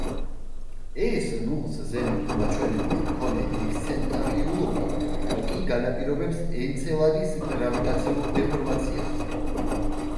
ეს ნულს ზემოთ მაჩვენებლის მქონე ექსცენტრიულობა კი განაპირობებს ენცელადის გრავიტაციულ დეფორმაციას.